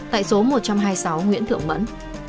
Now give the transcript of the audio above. tại số một trăm hai mươi sáu nguyễn thượng mẫn